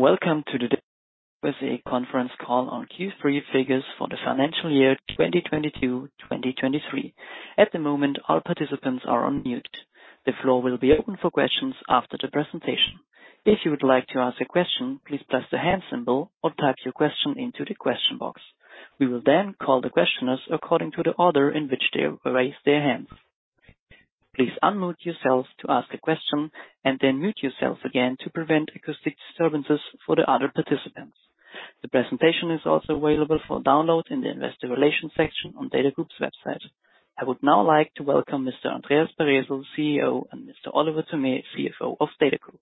Welcome to the DATAGROUP SE conference call on Q3 figures for the financial year 2022/2023. At the moment, all participants are on mute. The floor will be open for questions after the presentation. If you would like to ask a question, please press the hand symbol or type your question into the question box. We will then call the questioners according to the order in which they raised their hands. Please unmute yourselves to ask a question, and then mute yourselves again to prevent acoustic disturbances for the other participants. The presentation is also available for download in the Investor Relations section on DATAGROUP's website. I would now like to welcome Mr. Andreas Baresel, CEO, and Mr. Oliver Thome, CFO of DATAGROUP.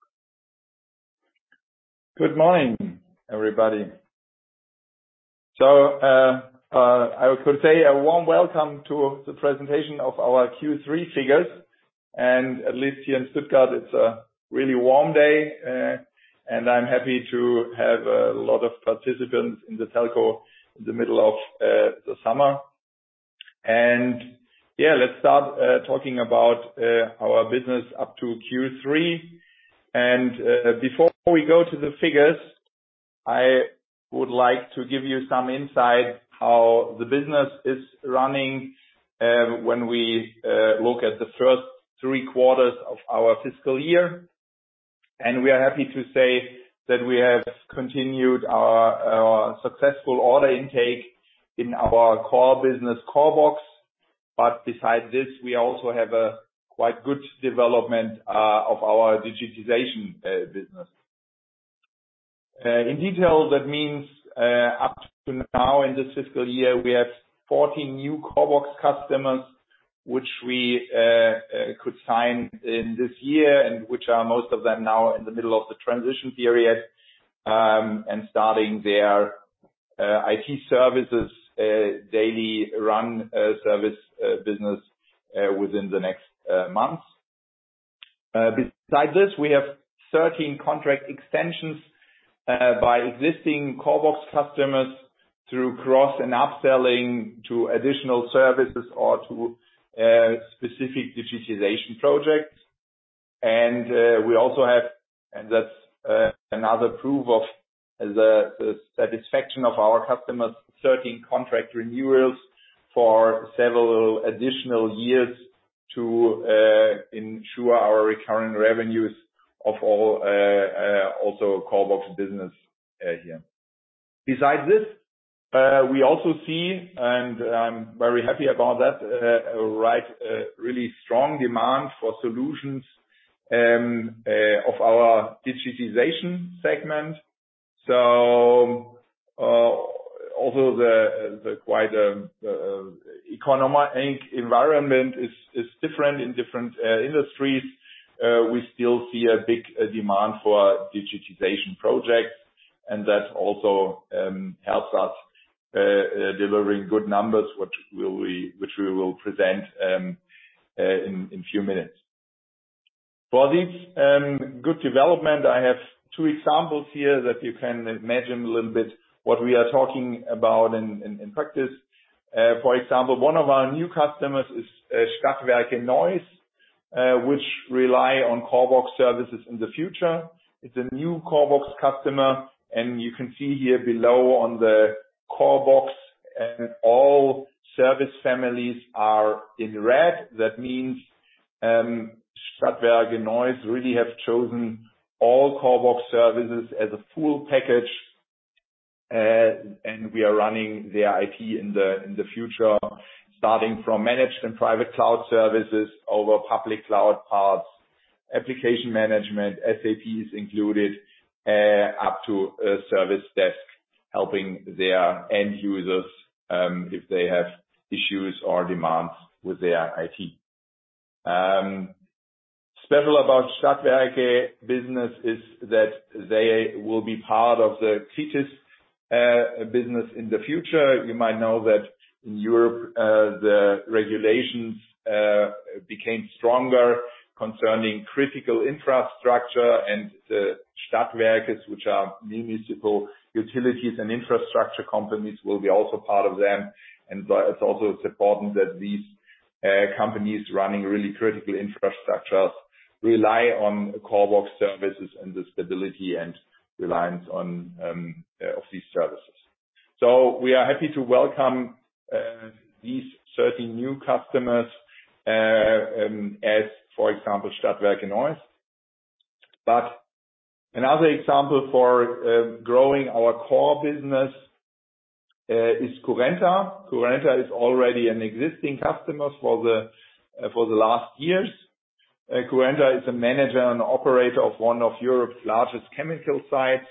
Good morning, everybody. So, I could say a warm welcome to the presentation of our Q3 figures, and at least here in Stuttgart, it's a really warm day, and I'm happy to have a lot of participants in the telco in the middle of the summer. Yeah, let's start talking about our business up to Q3. Before we go to the figures, I would like to give you some insight how the business is running when we look at the first three quarters of our fiscal year. We are happy to say that we have continued our successful order intake in our core business, CORBOX. But besides this, we also have a quite good development of our digitization business. In detail, that means, up to now, in this fiscal year, we have 14 new CORBOX customers, which we could sign in this year and which are most of them now in the middle of the transition period, and starting their IT services daily run service business within the next months. Besides this, we have 13 contract extensions by existing CORBOX customers through cross and upselling to additional services or to specific digitization projects. And we also have, and that's another proof of the satisfaction of our customers, 13 contract renewals for several additional years to ensure our recurring revenues of all also CORBOX business here. Besides this, we also see, and I'm very happy about that, a right, really strong demand for solutions of our digitization segment. So, although the, the quite, economic environment is, is different in different industries, we still see a big demand for digitization projects, and that also helps us delivering good numbers, which will we-- which we will present in few minutes. For this good development, I have two examples here that you can imagine a little bit what we are talking about in practice. For example, one of our new customers is Stadtwerke Neuss, which rely on CORBOX services in the future. It's a new CORBOX customer, and you can see here below on the CORBOX, and all service families are in red. That means, Stadtwerke Neuss really have chosen all CORBOX services as a full package, and we are running their IT in the future, starting from managed and private cloud services over public cloud paths, application management, SAP is included, up to a service desk, helping their end users, if they have issues or demands with their IT. Special about Stadtwerke business is that they will be part of the KRITIS business in the future. You might know that in Europe, the regulations became stronger concerning critical infrastructure and the Stadtwerke, which are municipal utilities and infrastructure companies, will be also part of them. But it's also important that these companies running really critical infrastructures rely on CORBOX services and the stability and reliance on of these services. So we are happy to welcome these 13 new customers, as, for example, Stadtwerke Neuss. But another example for growing our core business is CURRENTA. CURRENTA is already an existing customer for the last years. CURRENTA is a manager and operator of one of Europe's largest chemical sites,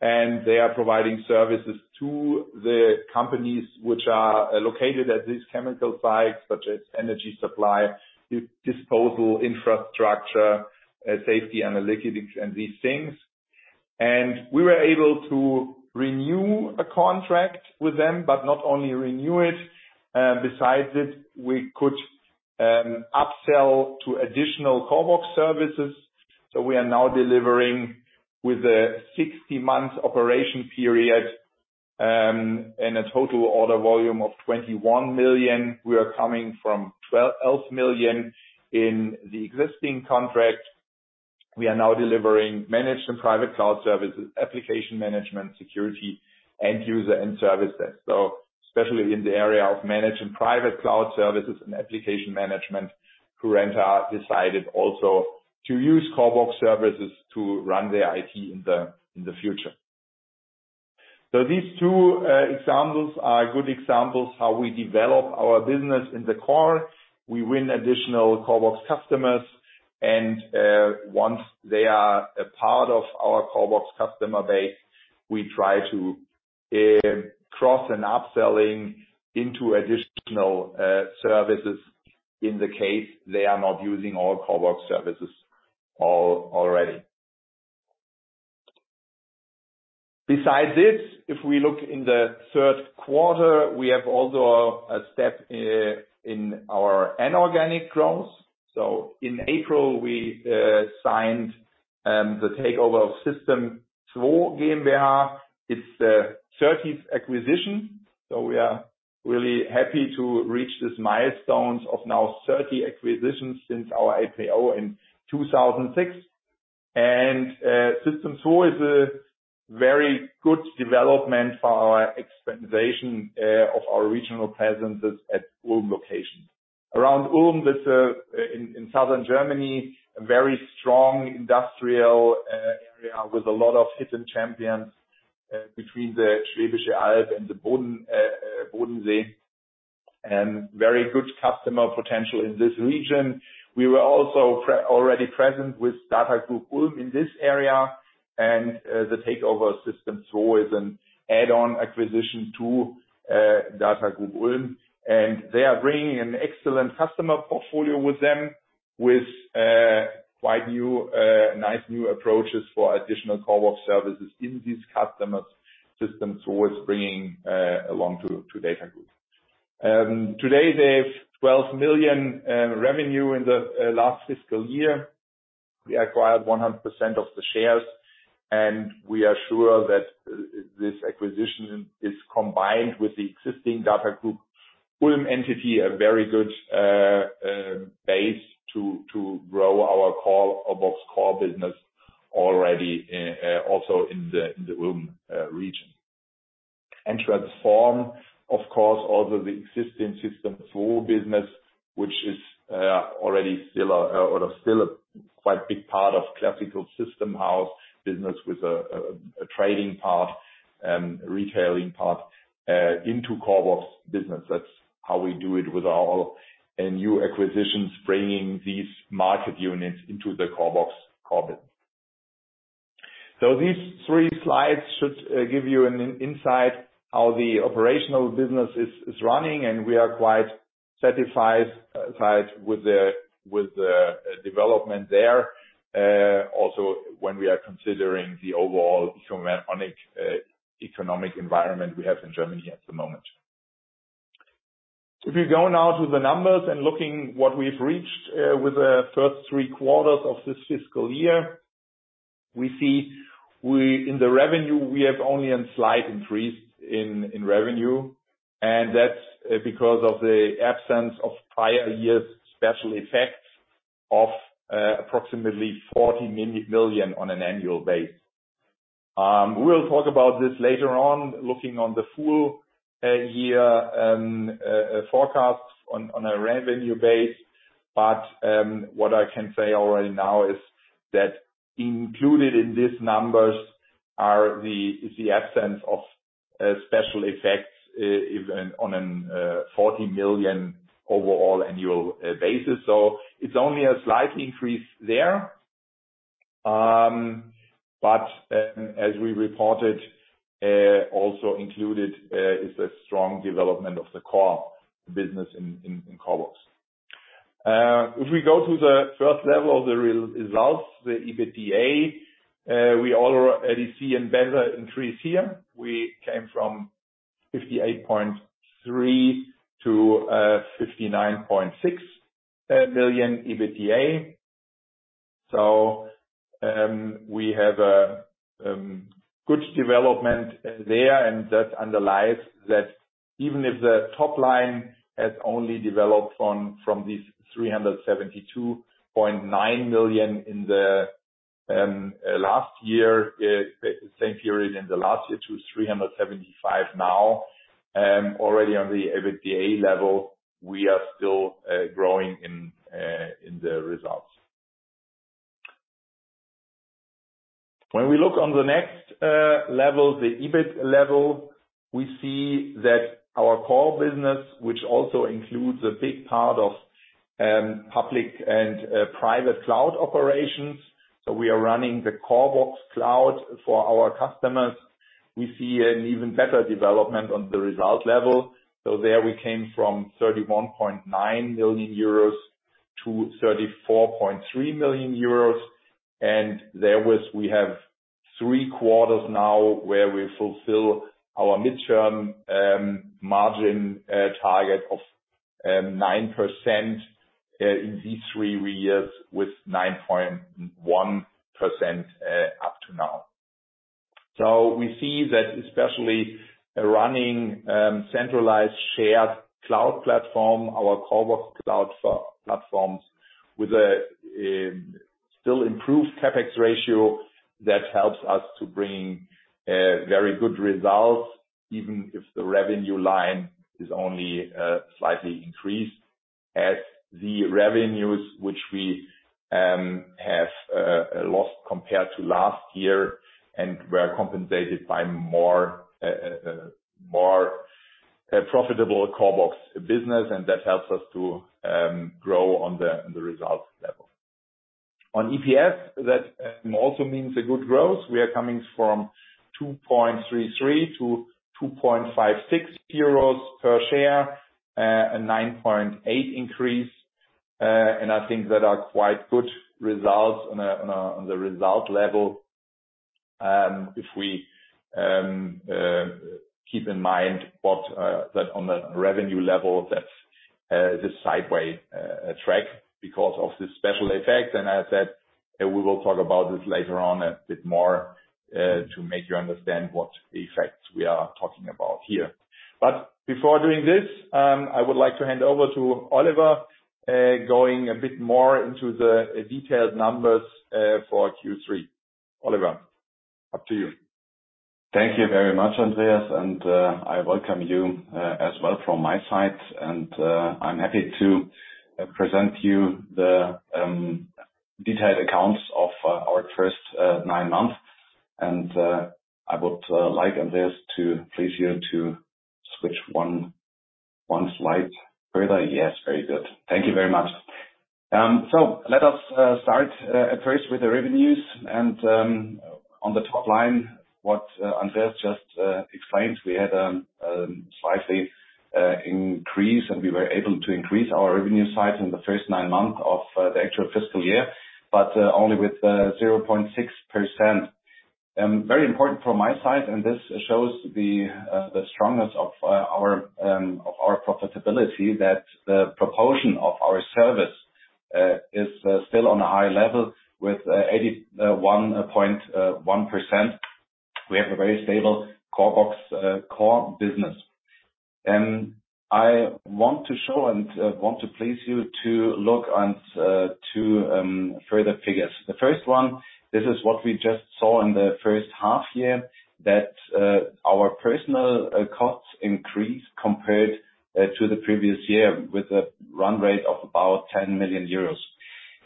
and they are providing services to the companies which are located at this chemical site, such as energy supply, disposal, infrastructure, safety, and logistics, and these things. And we were able to renew a contract with them, but not only renew it, besides it, we could upsell to additional CORBOX services. So we are now delivering with a 60-month operation period and a total order volume of 21 million. We are coming from 12 million in the existing contract. We are now delivering managed and private cloud services, application management, security, end user, and services. So especially in the area of managed and private cloud services and application management, Currenta decided also to use CORBOX services to run their IT in the future. So these two examples are good examples how we develop our business in the core. We win additional CORBOX customers, and once they are a part of our CORBOX customer base, we try to cross and upselling into additional services in the case they are not using all CORBOX services already. Besides this, if we look in the Q3, we have also a step in our inorganic growth. So in April, we signed the takeover of System Zwo GmbH. It's the 30th acquisition, so we are really happy to reach this milestone of now 30 acquisitions since our IPO in 2006. And System Zwo is a very good development for our expansion of our regional presences at Ulm location. Around Ulm, that's in southern Germany, a very strong industrial area with a lot of hidden champions between the Schwäbische Alb and the Bodensee, and very good customer potential in this region. We were also already present with DATAGROUP Ulm in this area, and the takeover System Zwo is an add-on acquisition to DATAGROUP Ulm. And they are bringing an excellent customer portfolio with them, with quite new nice new approaches for additional CORBOX services in these customers. System Zwo is bringing along to DATAGROUP. Today, they have 12 million revenue in the last fiscal year. We acquired 100% of the shares, and we are sure that this acquisition is combined with the existing DATAGROUP Ulm entity, a very good base to grow our CORBOX core business already also in the Ulm region. And transform, of course, also the existing System Zwo business, which is already still a, or still a quite big part of classical system house business with a trading part and retailing part into CORBOX business. That's how we do it with our new acquisitions, bringing these market units into the CORBOX core business. So these three slides should give you an insight how the operational business is running, and we are quite satisfied tied with the development there. Also, when we are considering the overall economic environment we have in Germany at the moment. If we go now to the numbers and looking what we've reached with the first three quarters of this fiscal year, we see in the revenue, we have only a slight increase in revenue, and that's because of the absence of prior year's special effects of approximately 40 million on an annual basis. We will talk about this later on, looking on the full year forecast on a revenue basis. But, what I can say already now is that included in these numbers are the, is the absence of, special effects, if on an, 40 million overall annual, basis. So it's only a slight increase there. But, as we reported, also included, is a strong development of the core business in CORBOX. If we go to the first level of the results, the EBITDA, we already see a better increase here. We came from 58.3 million to 59.6 million EBITDA. So, we have a good development there, and that underlies that even if the top line has only developed from this 372.9 million in the last year, same period in the last year to 375 million now, already on the EBITDA level, we are still growing in the results. When we look on the next level, the EBIT level, we see that our core business, which also includes a big part of public and private cloud operations, so we are running the CORBOX cloud for our customers. We see an even better development on the result level. So there we came from 31.9 million euros to 34.3 million euros, and there was, we have three quarters now where we fulfill our midterm margin target of-... 9% in these three years with 9.1% up to now. So we see that especially running centralized shared cloud platform, our CORBOX cloud platform, with a still improved CapEx ratio, that helps us to bring very good results, even if the revenue line is only slightly increased, as the revenues which we have lost compared to last year and were compensated by more profitable CORBOX business, and that helps us to grow on the results level. On EPS, that also means a good growth. We are coming from 2.33 to 2.56 euros per share, a 9.8% increase. And I think that are quite good results on the result level. If we keep in mind that on the revenue level, that is a sideways track because of this special effect. And as I said, we will talk about this later on a bit more to make you understand what effects we are talking about here. But before doing this, I would like to hand over to Oliver going a bit more into the detailed numbers for Q3. Oliver, up to you. Thank you very much, Andreas, and I welcome you as well from my side. I'm happy to present you the detailed accounts of our first nine months. I would like, Andreas, to please you to switch one slide further. Yes, very good. Thank you very much. So let us start at first with the revenues and, on the top line, what Andreas just explained, we had slightly increase, and we were able to increase our revenue side in the first nine months of the actual fiscal year, but only with 0.6%. Very important from my side, and this shows the strongest of our profitability, that the proportion of our service is still on a high level with 81.1%. We have a very stable CORBOX core business. I want to show and want to please you to look on two further figures. The first one, this is what we just saw in the first half year, that our personnel costs increased compared to the previous year, with a run rate of about 10 million euros.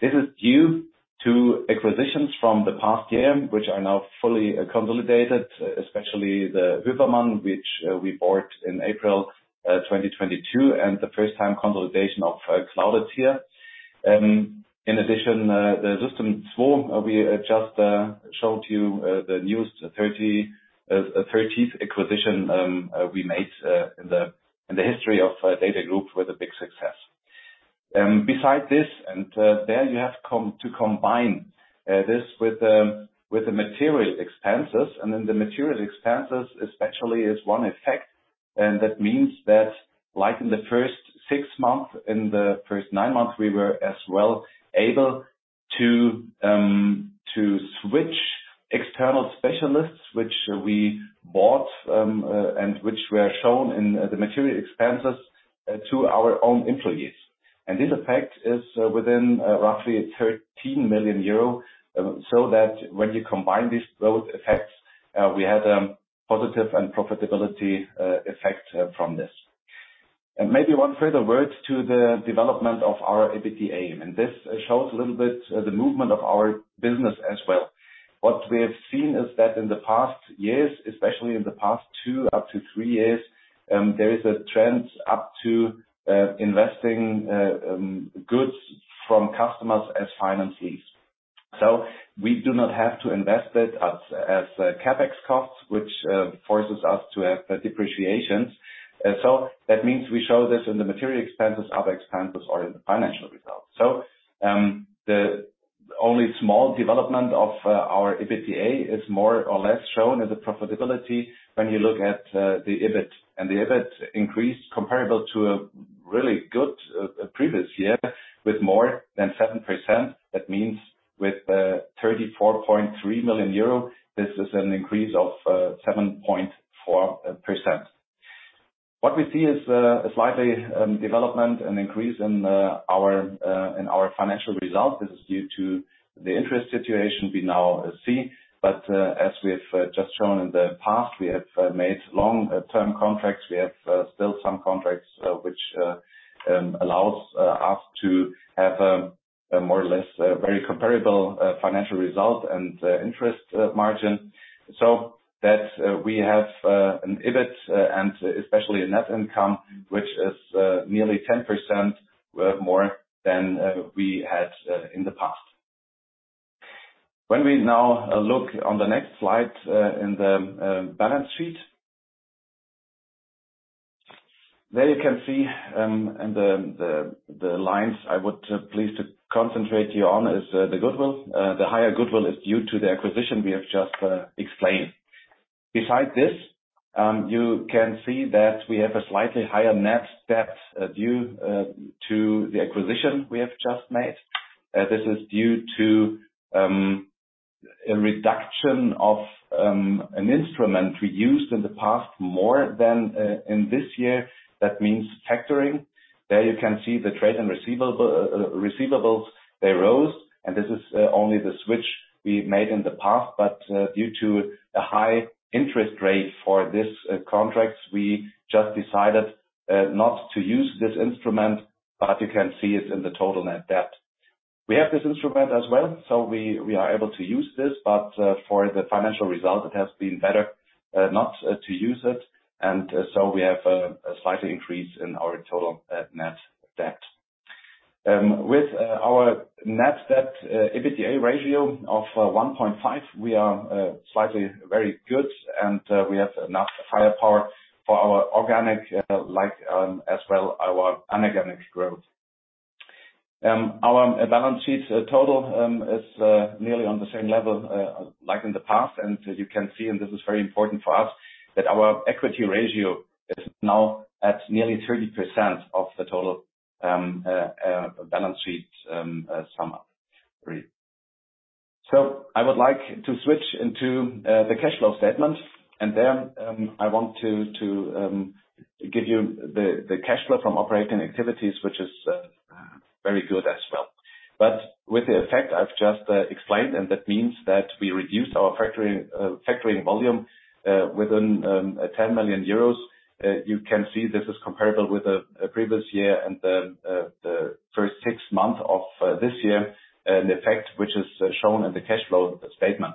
This is due to acquisitions from the past year, which are now fully consolidated, especially the Wibermann, which we bought in April 2022, and the first time consolidation of Cloudeteer. In addition, the System Zwo we just showed you, the new 30th acquisition we made in the history of DATAGROUP with a big success. Besides this, and there you have come to combine this with the material expenses, and then the material expenses especially is one effect. That means that like in the first six months, in the first nine months, we were as well able to switch external specialists, which we bought, and which were shown in the material expenses, to our own employees. This effect is within roughly 13 million euro, so that when you combine these both effects, we had a positive and profitability effect from this. And maybe one further word to the development of our EBITDA, and this shows a little bit the movement of our business as well. What we have seen is that in the past years, especially in the past two, up to three years, there is a trend up to investing goods from customers as finance lease. So we do not have to invest it as CapEx costs, which forces us to have depreciations. So that means we show this in the material expenses, other expenses, or in the financial results. So, the only small development of our EBITDA is more or less shown as a profitability when you look at the EBIT. And the EBIT increased comparable to a really good previous year with more than 7%. That means with 34.3 million euro, this is an increase of 7.4%. What we see is a slightly development and increase in our financial results. This is due to the interest situation we now see. But as we have just shown in the past, we have made long-term contracts. We have still some contracts which allows us to have a more or less very comparable financial result and interest margin. So that we have an EBIT and especially a net income, which is nearly 10% more than we had in the past. When we now look on the next slide, in the balance sheet, there you can see, in the lines I would please to concentrate you on is, the goodwill. The higher goodwill is due to the acquisition we have just explained. Besides this, you can see that we have a slightly higher net debt, due to the acquisition we have just made. This is due to a reduction of an instrument we used in the past more than in this year. That means factoring. There you can see the trade and receivable, receivables, they rose, and this is only the switch we made in the past, but due to a high interest rate for this contracts, we just decided not to use this instrument, but you can see it in the total net debt. We have this instrument as well, so we are able to use this, but for the financial result, it has been better not to use it, and so we have a slight increase in our total net debt. With our net debt EBITDA ratio of 1.5, we are slightly very good, and we have enough firepower for our organic, like, as well, our anorganic growth. Our balance sheet total is nearly on the same level like in the past, and as you can see, and this is very important for us, that our equity ratio is now at nearly 30% of the total balance sheet summary. So I would like to switch into the cash flow statement, and there, I want to give you the cash flow from operating activities, which is very good as well. But with the effect I've just explained, and that means that we reduced our factoring factoring volume within 10 million euros. You can see this is comparable with the previous year and the first six months of this year, and the effect, which is shown in the cash flow statement.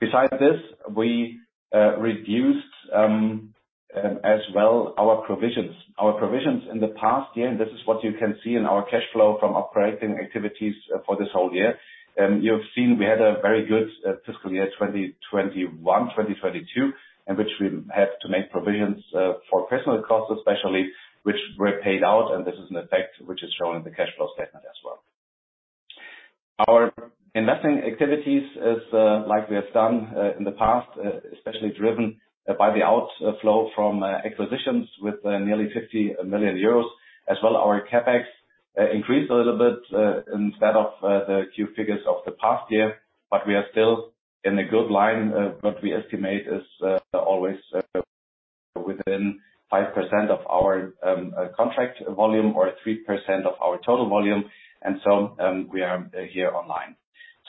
Besides this, we reduced as well our provisions. Our provisions in the past year, and this is what you can see in our cash flow from operating activities for this whole year. You've seen we had a very good fiscal year, 2021, 2022, in which we had to make provisions for personal costs, especially, which were paid out, and this is an effect which is shown in the cash flow statement as well. Our investing activities is, like we have done, in the past, especially driven, by the outflow from, acquisitions with, nearly 50 million euros, as well our CapEx, increased a little bit, instead of, the few figures of the past year, but we are still in a good line, what we estimate is, always, within 5% of our, contract volume or 3% of our total volume, and so, we are here online.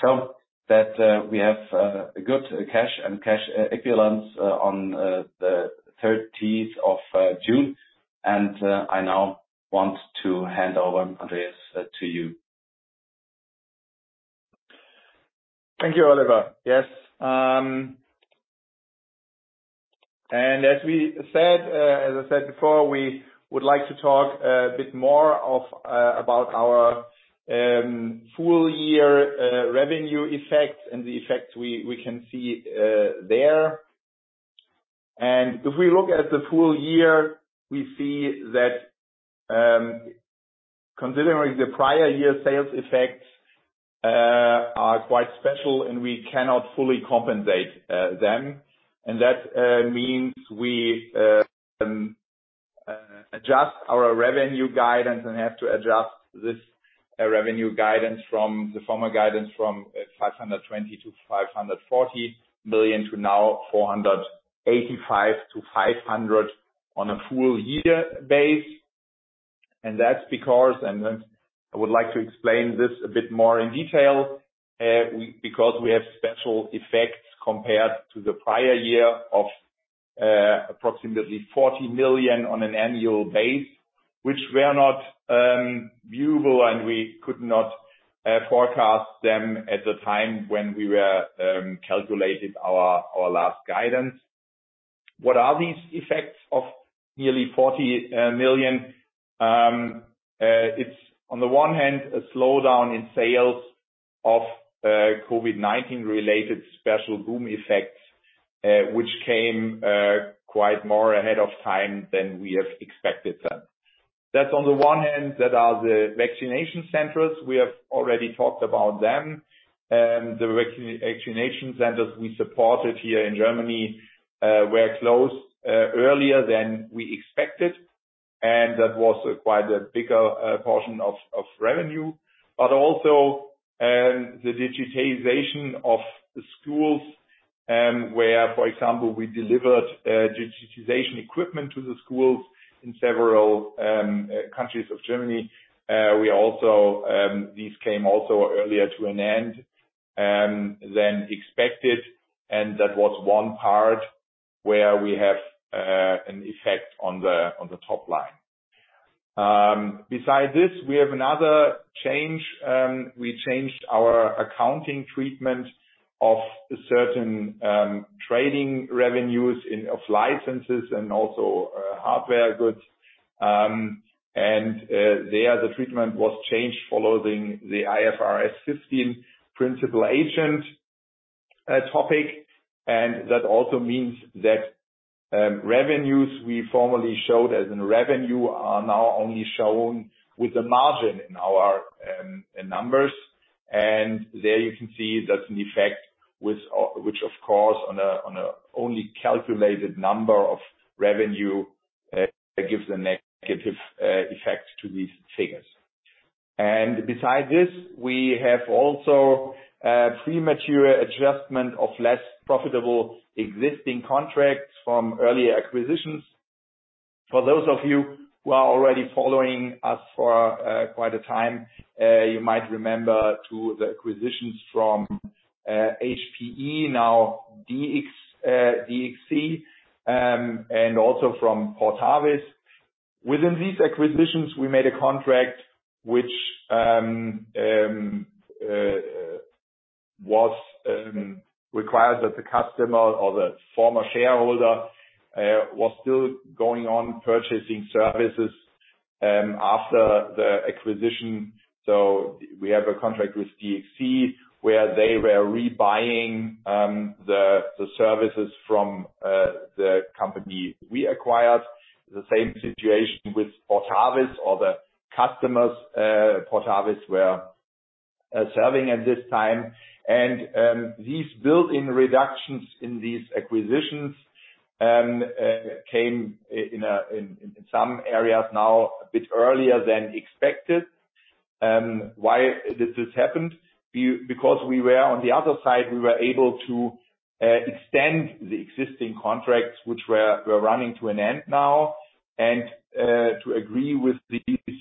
So that, we have, a good cash and cash equivalent, on, the 13 of, June. And, I now want to hand over, Andreas, to you. Thank you, Oliver. Yes, and as we said, as I said before, we would like to talk a bit more of, about our, full year, revenue effect and the effects we can see, there. If we look at the full year, we see that, considering the prior year sales effects, are quite special and we cannot fully compensate, them. That means we adjust our revenue guidance and have to adjust this, revenue guidance from the former guidance from, 520 million-540 million, to now 485 million-500 million on a full year base. And that's because, and then I would like to explain this a bit more in detail, because we have special effects compared to the prior year of approximately 40 million on an annual base, which were not viewable, and we could not forecast them at the time when we were calculated our last guidance. What are these effects of nearly 40 million? It's on the one hand, a slowdown in sales of COVID-19 related special boom effects, which came quite more ahead of time than we have expected them. That's on the one hand, that are the vaccination centers. We have already talked about them. The vaccination centers we supported here in Germany were closed earlier than we expected, and that was quite a bigger portion of revenue. But also, the digitization of the schools, where, for example, we delivered, digitization equipment to the schools in several, countries of Germany. We also, these came also earlier to an end, than expected, and that was one part where we have, an effect on the, on the top line. Besides this, we have another change. We changed our accounting treatment of certain, trading revenues in, of licenses and also, hardware goods. And, there, the treatment was changed following the IFRS 15 principal-agent, topic. And that also means that. Revenues we formerly showed as in revenue are now only shown with the margin in our, numbers. And there you can see that's an effect, which of course, on an only calculated number of revenue, gives a negative effect to these figures. And besides this, we have also a premature adjustment of less profitable existing contracts from early acquisitions. For those of you who are already following us for quite a time, you might remember too the acquisitions from HPE, now DXC, and also from Portavis. Within these acquisitions, we made a contract which was required that the customer or the former shareholder was still going on purchasing services after the acquisition. So we have a contract with DXC, where they were rebuying the services from the company we acquired. The same situation with Portavis or the customers Portavis were serving at this time. These built-in reductions in these acquisitions came in, in some areas now a bit earlier than expected. Why did this happen? Because we were on the other side, we were able to extend the existing contracts, which were running to an end now, and to agree with these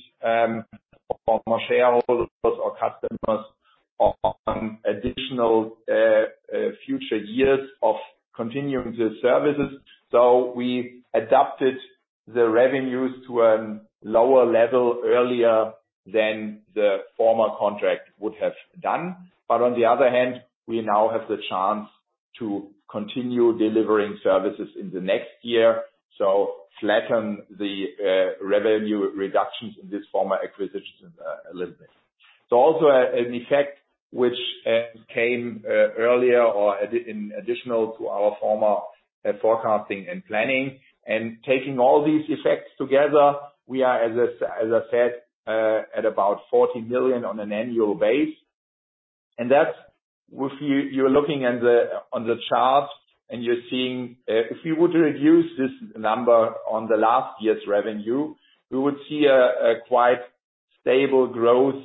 former shareholders or customers on additional future years of continuing the services. So we adapted the revenues to a lower level earlier than the former contract would have done. But on the other hand, we now have the chance to continue delivering services in the next year, so flatten the revenue reductions in this former acquisitions a little bit. So also an effect which came earlier or in additional to our former forecasting and planning. Taking all these effects together, we are, as I said, at about 40 million on an annual basis. That's, if you're looking on the chart and you're seeing, if you were to reduce this number on the last year's revenue, we would see a quite stable growth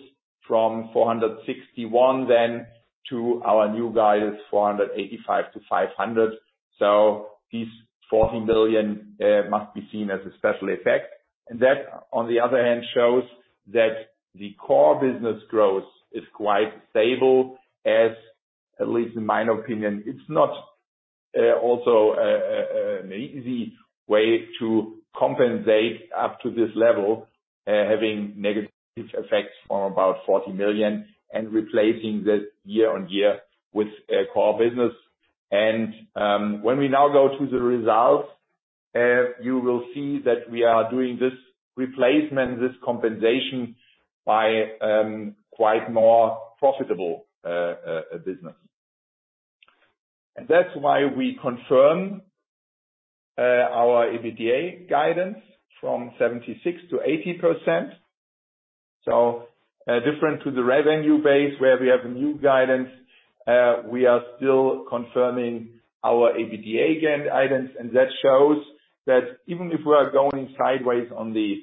from 461 million then to our new guidance, 485 million-500 million. So this 40 million must be seen as a special effect. And that, on the other hand, shows that the core business growth is quite stable, as at least in my opinion, it's not also an easy way to compensate up to this level, having negative effects from about 40 million and replacing that year-over-year with a core business. When we now go to the results, you will see that we are doing this replacement, this compensation, by quite more profitable business. And that's why we confirm our EBITDA guidance from 76% to 80%. So different to the revenue base, where we have a new guidance, we are still confirming our EBITDA guidance, and that shows that even if we are going sideways on the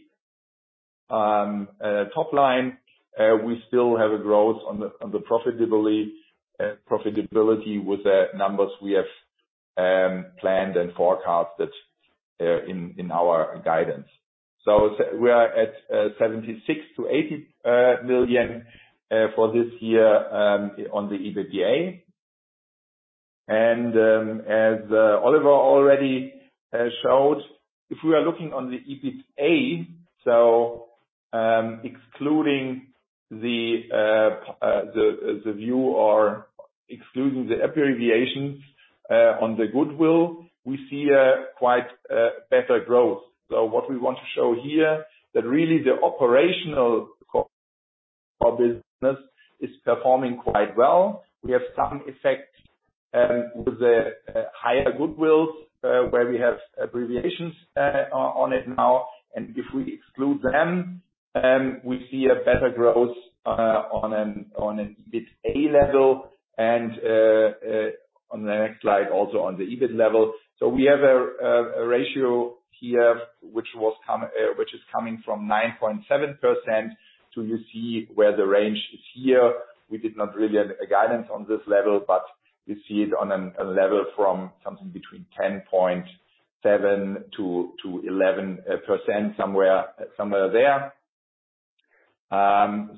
top line, we still have a growth on the profitability with the numbers we have planned and forecasted in our guidance. So we are at 76-80 million for this year on the EBITDA. As Oliver already showed, if we are looking on the EBITDA, so excluding the view or excluding the abbreviations on the goodwill, we see a quite better growth. So what we want to show here, that really the operational core of business is performing quite well. We have some effect with the higher goodwills where we have abbreviations on it now, and if we exclude them, we see a better growth on an EBITA level and on the next slide, also on the EBIT level. So we have a ratio here, which is coming from 9.7% to you see where the range is here. We did not really have a guidance on this level, but you see it on a level from something between 10.7%-11%, somewhere there.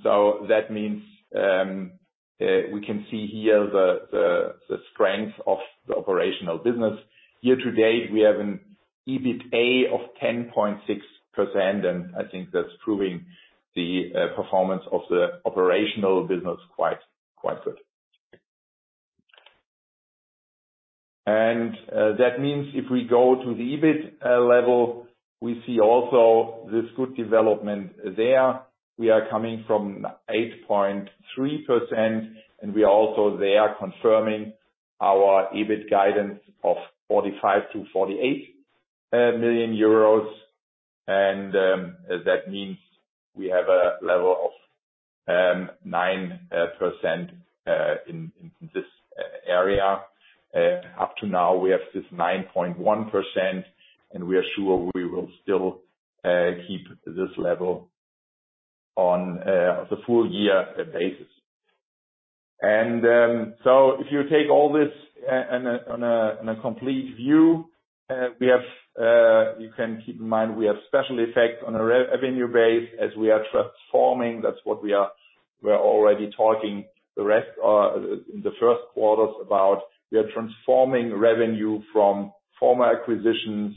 So that means we can see here the strength of the operational business. Year to date, we have an EBITDA of 10.6%, and I think that's proving the performance of the operational business quite good. And that means if we go to the EBIT level. We see also this good development there. We are coming from 8.3%, and we are also there confirming our EBIT guidance of 45 million-48 million euros. And that means we have a level of 9% in this area. Up to now, we have this 9.1%, and we are sure we will still keep this level on the full year basis. So if you take all this on a complete view, we have, you can keep in mind, we have special effect on a revenue base as we are transforming. That's what we're already talking the rest in the Q1s about. We are transforming revenue from former acquisitions.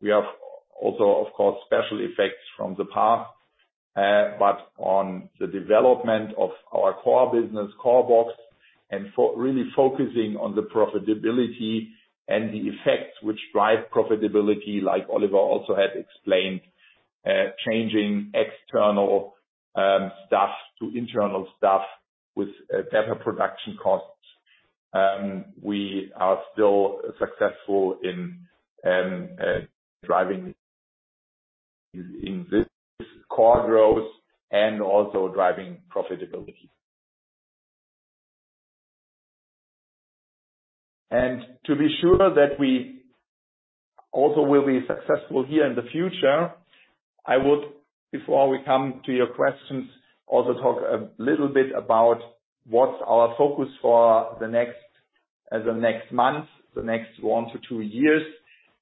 We have also, of course, special effects from the past, but on the development of our core business, CORBOX, and focusing really on the profitability and the effects which drive profitability, like Oliver also had explained, changing external staff to internal staff with better production costs. We are still successful in driving this core growth and also driving profitability. To be sure that we also will be successful here in the future, I would, before we come to your questions, also talk a little bit about what's our focus for the next, the next month, the next one to two years.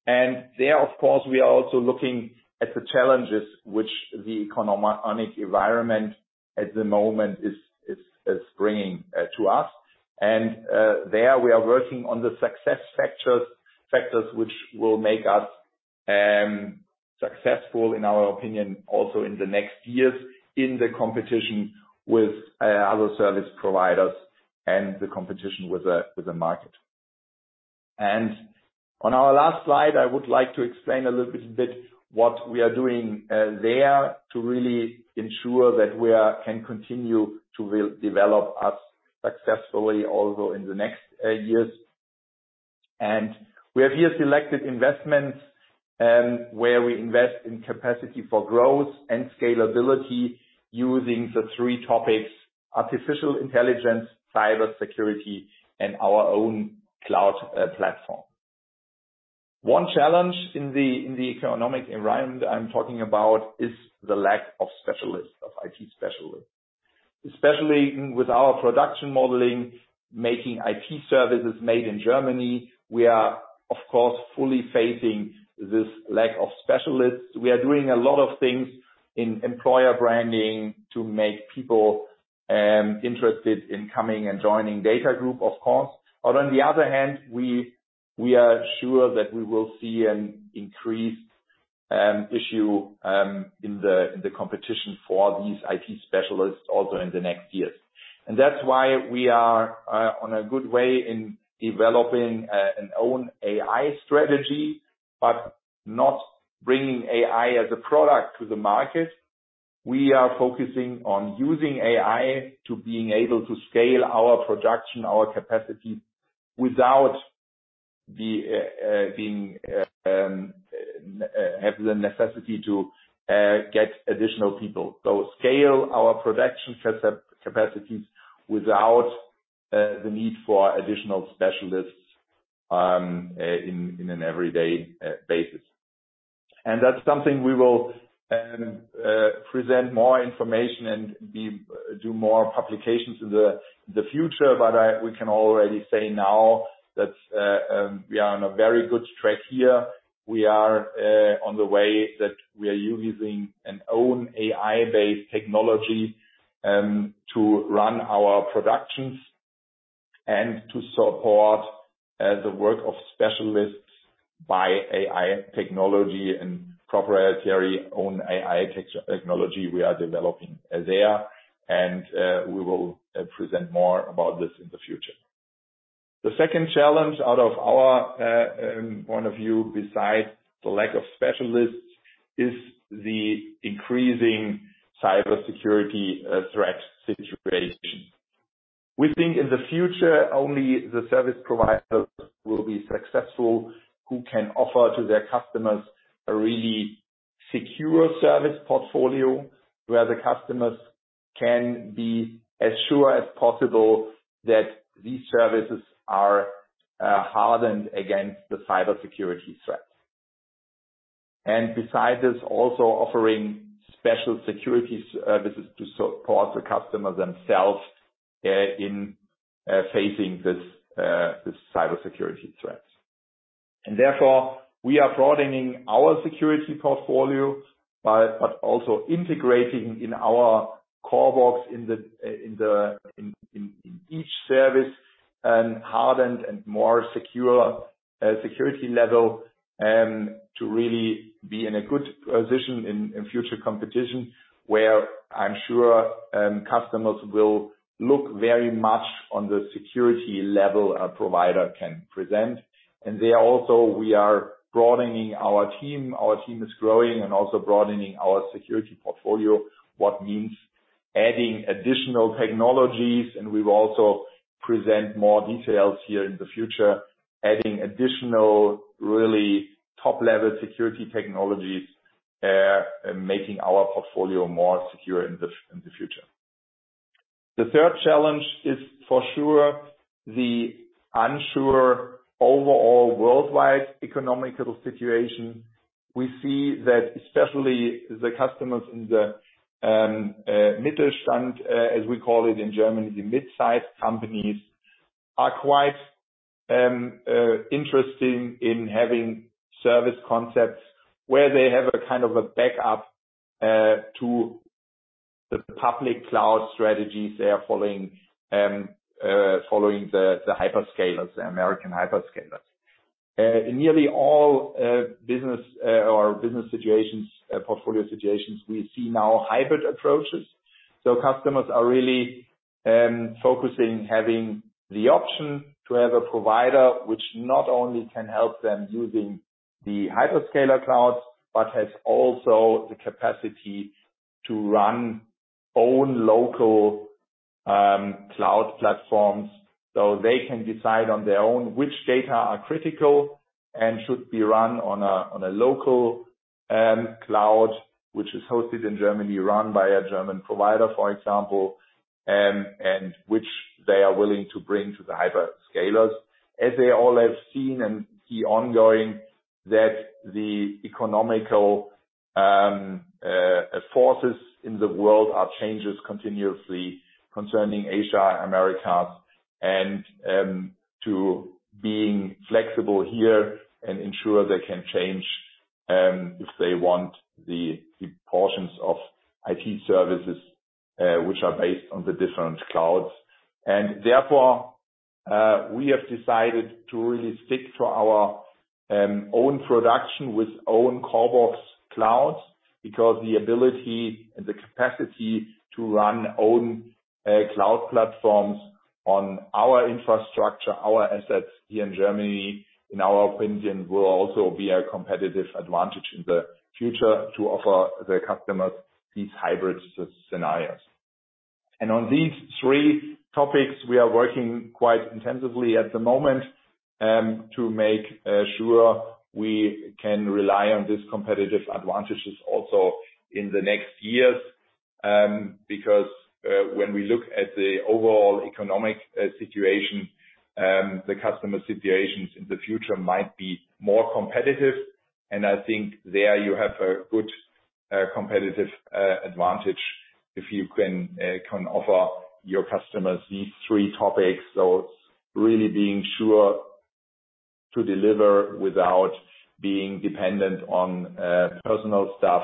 And there, of course, we are also looking at the challenges which the economic environment at the moment is bringing to us. There we are working on the success factors, factors which will make us successful, in our opinion, also in the next years in the competition with other service providers and the competition with the market. On our last slide, I would like to explain a little bit what we are doing there to really ensure that we can continue to redevelop us successfully also in the next years. We have here selected investments where we invest in capacity for growth and scalability using the three topics: artificial intelligence, cyber security, and our own cloud platform. One challenge in the economic environment I'm talking about is the lack of specialists, of IT specialists. Especially with our production modeling, making IT services made in Germany, we are, of course, fully facing this lack of specialists. We are doing a lot of things in employer branding to make people interested in coming and joining DATAGROUP, of course. But on the other hand, we are sure that we will see an increased issue in the competition for these IT specialists also in the next years. And that's why we are on a good way in developing an own AI strategy, but not bringing AI as a product to the market. We are focusing on using AI to be able to scale our production, our capacity, without having the necessity to get additional people. So scale our production capacities without the need for additional specialists in an everyday basis. And that's something we will present more information and do more publications in the future, but we can already say now that we are on a very good track here. We are on the way that we are using an own AI-based technology to run our productions and to support, as a work of specialists, by AI technology and proprietary own AI technology we are developing there, and we will present more about this in the future. The second challenge out of our point of view, besides the lack of specialists, is the increasing cybersecurity threat situation. We think in the future, only the service providers will be successful, who can offer to their customers a really secure service portfolio, where the customers can be as sure as possible that these services are hardened against the cybersecurity threats. Besides this, also offering special security services to support the customers themselves in facing this cybersecurity threats. Therefore, we are broadening our security portfolio, but also integrating in our CORBOX in each service and hardened and more secure security level, to really be in a good position in future competition, where I'm sure, customers will look very much on the security level a provider can present. And there also, we are broadening our team. Our team is growing and also broadening our security portfolio. What means? Adding additional technologies, and we will also present more details here in the future, adding additional really top-level security technologies, and making our portfolio more secure in the future. The third challenge is for sure, the unsure overall worldwide economic situation. We see that especially the customers in the Mittelstand, as we call it in Germany, the mid-size companies, are quite interesting in having service concepts where they have a kind of a backup to the public cloud strategies they are following, following the hyperscalers, the American hyperscalers. In nearly all business or portfolio situations, we see now hybrid approaches. So customers are really focusing, having the option to have a provider, which not only can help them using the hyperscaler clouds, but has also the capacity to run own local cloud platforms. So they can decide on their own which data are critical and should be run on a local cloud, which is hosted in Germany, run by a German provider, for example, and which they are willing to bring to the hyperscalers. As they all have seen and see ongoing that the economical forces in the world are changes continuously concerning Asia, Americas, and to being flexible here and ensure they can change if they want the portions of IT services which are based on the different clouds. And therefore, we have decided to really stick to our own production with own CORBOX clouds, because the ability and the capacity to run own cloud platforms on our infrastructure, our assets here in Germany, in our opinion, will also be a competitive advantage in the future to offer the customers these hybrid scenarios. And on these three topics, we are working quite intensively at the moment, to make sure we can rely on this competitive advantages also in the next years. Because, when we look at the overall economic situation, the customer situations in the future might be more competitive. And I think there you have a good competitive advantage if you can offer your customers these three topics. So really being sure to deliver without being dependent on, personal staff,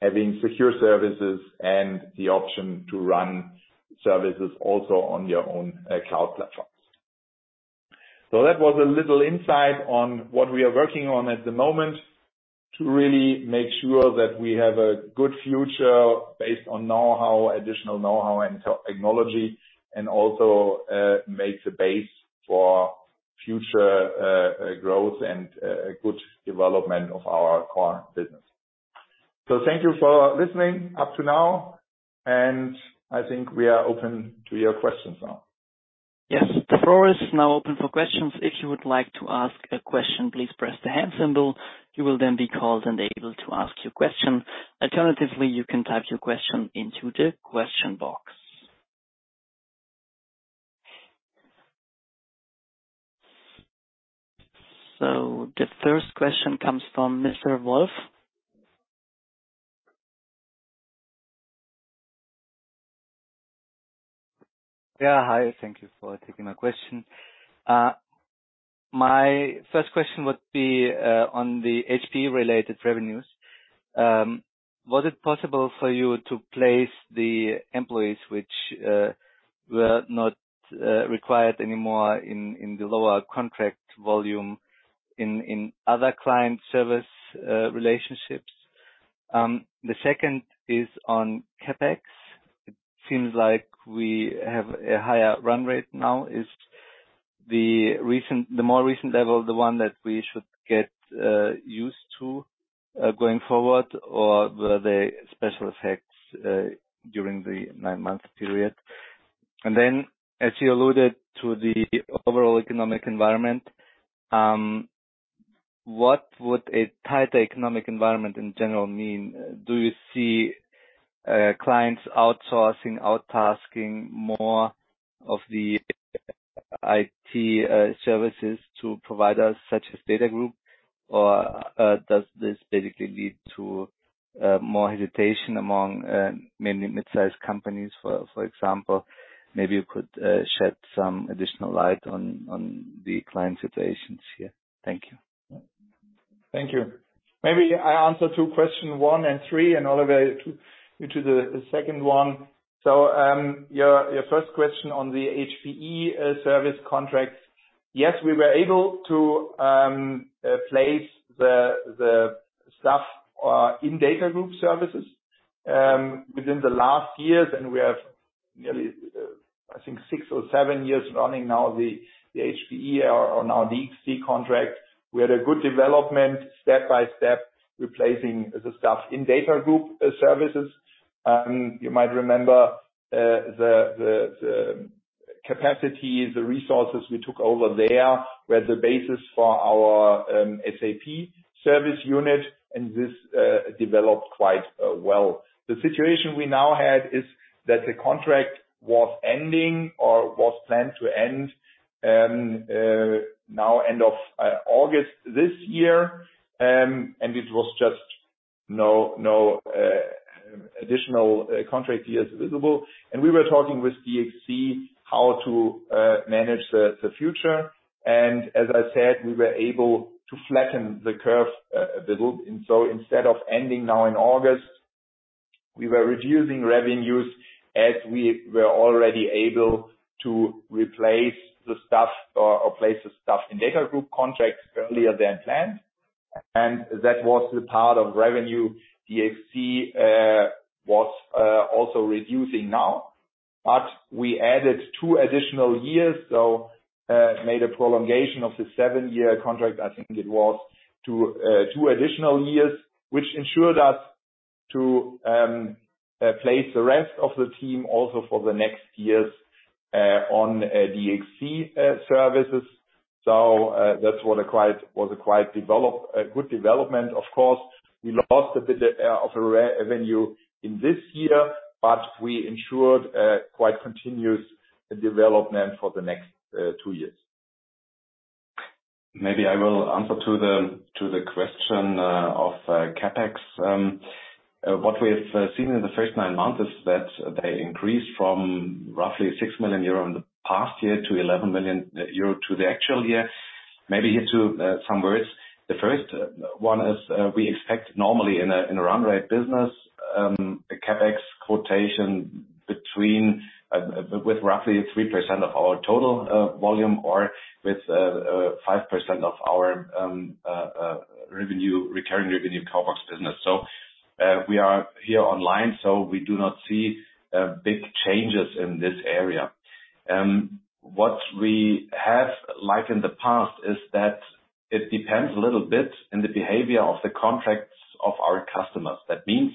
having secure services, and the option to run services also on your own, cloud platforms. So that was a little insight on what we are working on at the moment, to really make sure that we have a good future based on know-how, additional know-how and technology, and also, make the base for future, growth and, a good development of our core business. So thank you for listening up to now, and I think we are open to your questions now. Yes, the floor is now open for questions. If you would like to ask a question, please press the hand symbol. You will then be called and able to ask your question. Alternatively, you can type your question into the question box. So the first question comes from Mr. Wolf. Yeah, hi, thank you for taking my question. My first question would be on the HPE related revenues. Was it possible for you to place the employees which were not required anymore in other client service relationships? The second is on CapEx. It seems like we have a higher run rate now. Is the recent - the more recent level, the one that we should get used to going forward, or were they special effects during the nine-month period? And then, as you alluded to the overall economic environment, what would a tighter economic environment in general mean? Do you see clients outsourcing, outtasking more of the IT services to providers such as DATAGROUP? Or, does this basically lead to more hesitation among mainly mid-sized companies, for example? Maybe you could shed some additional light on the client situations here. Thank you. Thank you. Maybe I answer to question one and three, and Oliver to the second one. So, your first question on the HPE service contracts. Yes, we were able to place the staff in DATAGROUP services within the last years, and we have nearly I think six or seven years running now the HPE or now DXC contract. We had a good development, step-by-step, replacing the staff in DATAGROUP services. You might remember the capacity, the resources we took over there were the basis for our SAP service unit, and this developed quite well. The situation we now had is that the contract was ending or was planned to end now end of August this year. And it was just no additional contract years visible. And we were talking with DXC how to manage the future. And as I said, we were able to flatten the curve a bit. And so instead of ending now in August, we were reducing revenues as we were already able to replace the staff or place the staff in DATAGROUP contracts earlier than planned. And that was the part of revenue DXC was also reducing now. But we added 2 additional years, so made a prolongation of the 7-year contract, I think it was, to 2 additional years, which ensured us to place the rest of the team also for the next years on DXC services. So, that's what was a quite good development. Of course, we lost a bit of, of revenue in this year, but we ensured quite continuous development for the next two years. Maybe I will answer to the question of CapEx. What we have seen in the first nine months is that they increased from roughly 6 million euro in the past year to 11 million euro in the actual year. Maybe here to some words. The first one is we expect normally in a run rate business a CapEx quotation between with roughly 3% of our total volume or with 5% of our recurring revenue CORBOX business. So we are here online, so we do not see big changes in this area. What we have, like in the past, is that it depends a little bit in the behavior of the contracts of our customers. That means,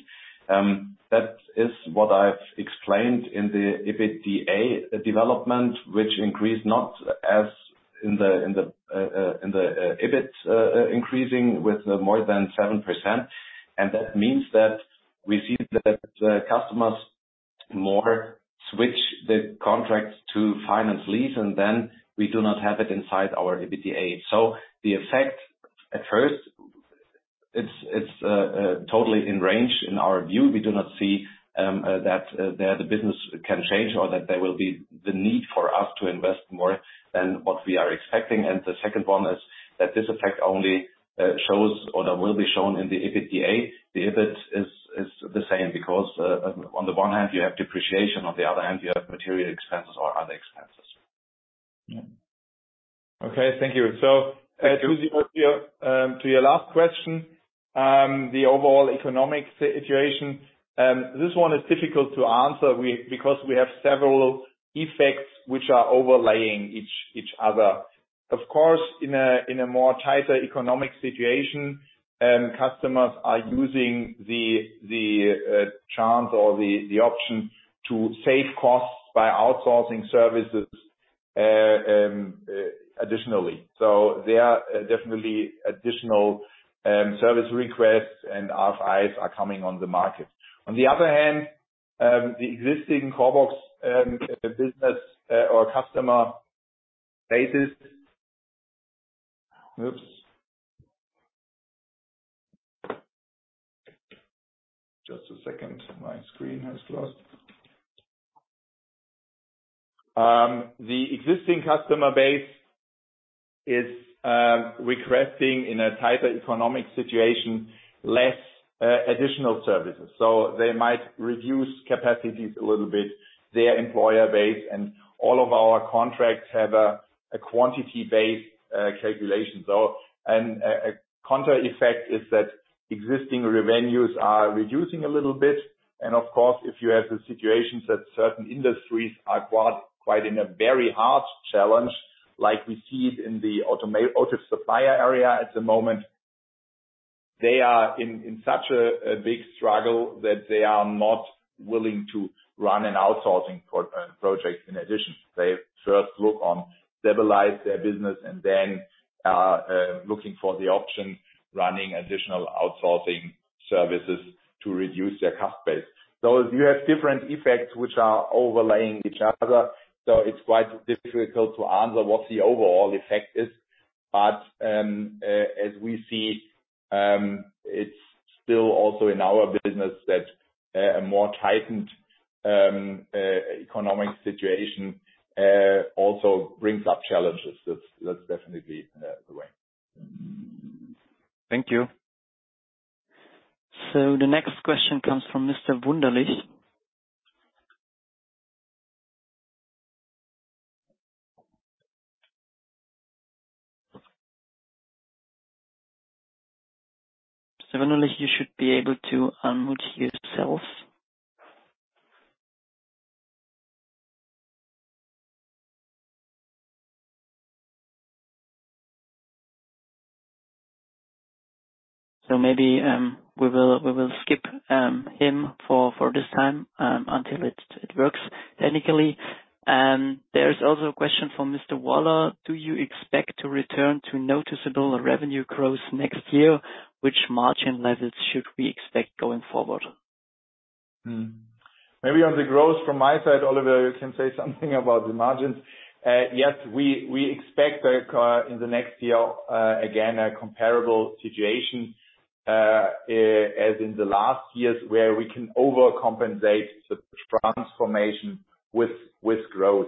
that is what I've explained in the EBITDA development, which increased not as in the, in the, in the, EBIT, increasing with more than 7%. And that means that we see that the customers more switch the contracts to finance lease, and then we do not have it inside our EBITDA. So the effect, at first, it's, it's, totally in range in our view. We do not see, that, the business can change or that there will be the need for us to invest more than what we are expecting. And the second one is that this effect only, shows or that will be shown in the EBITDA. The EBIT is, is the same, because, on the one hand, you have depreciation, on the other hand, you have material expenses or other expenses. Okay, thank you. So- Thank you. To your last question, the overall economic situation. This one is difficult to answer because we have several effects which are overlaying each other. Of course, in a more tighter economic situation, customers are using the chance or the option to save costs by outsourcing services additionally. So there are definitely additional service requests, and RFIs are coming on the market. On the other hand, the existing CORBOX business or customer basis... Oops. Just a second, my screen has closed. The existing customer base is requesting in a tighter economic situation, less additional services. So they might reduce capacities a little bit, their employer base, and all of our contracts have a quantity-based calculation. A counter effect is that existing revenues are reducing a little bit. Of course, if you have the situations that certain industries are quite in a very hard challenge, like we see it in the auto supplier area at the moment, they are in such a big struggle that they are not willing to run an outsourcing project in addition. They first look on stabilize their business and then looking for the option, running additional outsourcing services to reduce their cost base. So you have different effects which are overlaying each other. So it's quite difficult to answer what the overall effect is. But as we see, it's still also in our business that a more tightened economic situation also brings up challenges. That's definitely the way. Thank you. So the next question comes from Mr. Wunderlich. So finally, you should be able to mute yourself. So maybe we will skip him for this time until it works technically. There's also a question from Mr. Waller: Do you expect to return to noticeable revenue growth next year? Which margin levels should we expect going forward? Maybe on the growth from my side, Oliver, you can say something about the margins. Yes, we expect in the next year again a comparable situation as in the last years, where we can overcompensate the transformation with growth.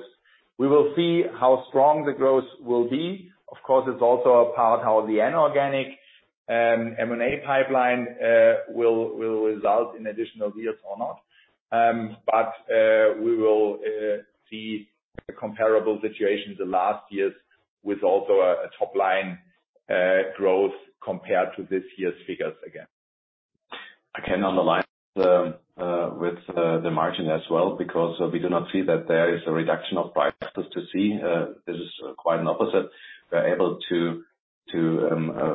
We will see how strong the growth will be. Of course, it's also a part how the inorganic M&A pipeline will result in additional deals or not. But we will see a comparable situation the last years with also a top line growth compared to this year's figures again. I can underline with the margin as well, because we do not see that there is a reduction of prices to see. This is quite an opposite. We're able to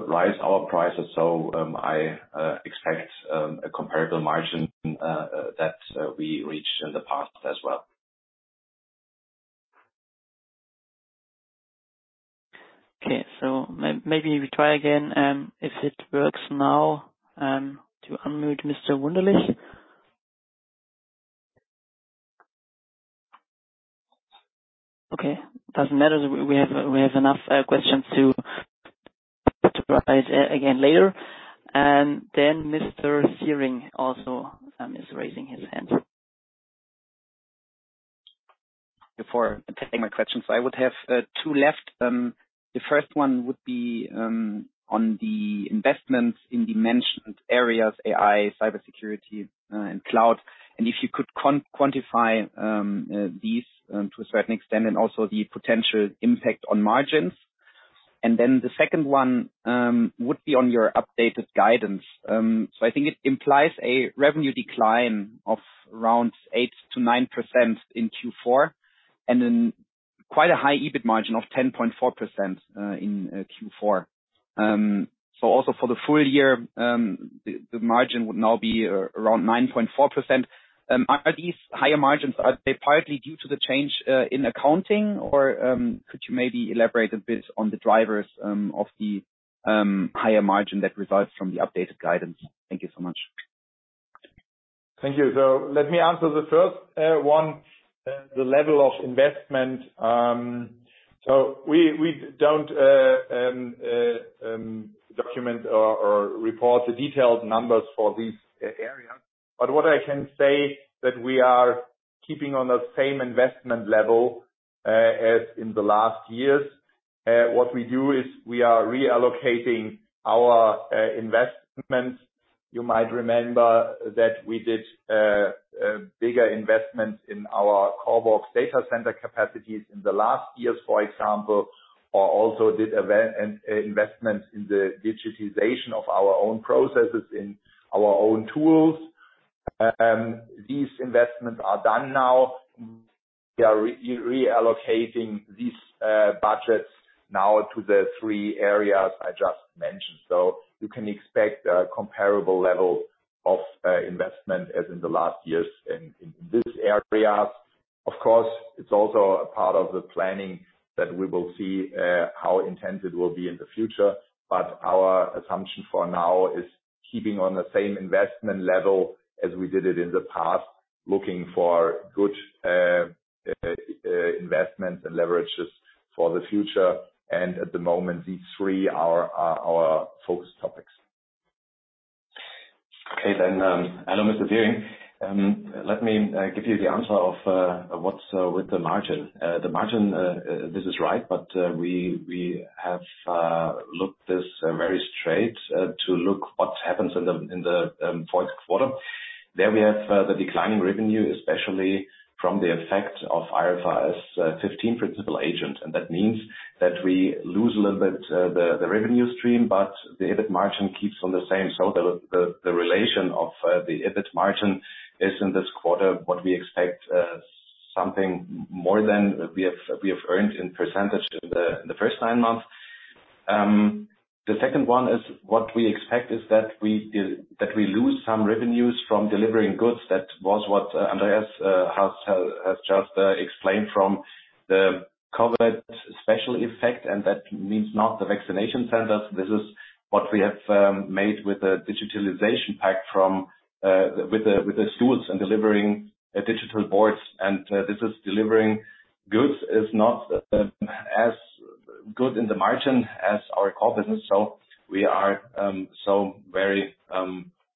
rise our prices, so I expect a comparable margin that we reached in the past as well. Okay. So maybe we try again, if it works now, to unmute Mr. Wunderlich. Okay, doesn't matter. We, we have, we have enough questions to provide again later. And then Mr. Siering also is raising his hand. Before I take my question, so I would have two left. The first one would be on the investments in the mentioned areas, AI, cybersecurity, and cloud. And if you could quantify these to a certain extent, and also the potential impact on margins. And then the second one would be on your updated guidance. So I think it implies a revenue decline of around 8%-9% in Q4, and then quite a high EBIT margin of 10.4% in Q4. So also for the full year, the margin would now be around 9.4%. Are these higher margins, are they partly due to the change in accounting, or could you maybe elaborate a bit on the drivers of the higher margin that results from the updated guidance? Thank you so much. Thank you. So let me answer the first one, the level of investment. So we don't document or report the detailed numbers for these areas, but what I can say is that we are keeping on the same investment level as in the last years. What we do is we are reallocating our investments. You might remember that we did bigger investments in our CORBOX data center capacities in the last years, for example, or also did investments in the digitization of our own processes, in our own tools. These investments are done now. We are reallocating these budgets now to the three areas I just mentioned. So you can expect a comparable level of investment as in the last years in these areas. Of course, it's also a part of the planning that we will see how intense it will be in the future. But our assumption for now is keeping on the same investment level as we did it in the past, looking for good investments and leverages for the future, and at the moment, these three are our focus topics. Okay, then, hello, Mr. Searing. Let me give you the answer of what's with the margin. The margin this is right, but we, we have looked this very straight to look what happens in the, in the Q4. There we have the declining revenue, especially from the effect of IFRS 15 principal-agent, and that means that we lose a little bit the, the revenue stream, but the EBIT margin keeps on the same. So the, the, the relation of the EBIT margin is in this quarter, what we expect something more than we have, we have earned in percentage to the, the first nine months. The second one is what we expect is that we that we lose some revenues from delivering goods. That was what Andreas has just explained from the COVID special effect, and that means not the vaccination centers. This is what we have made with the digitalization pack from with the schools and delivering digital boards. And this is delivering goods is not as good in the margin as our core business. So we are so very